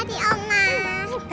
dadah om randy